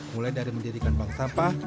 mulai dari mendirikan bank sampah